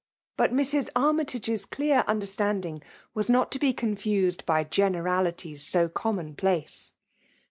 But Mrs. Armytage's clear understandbg was not to be confused by generalities so com* mon place.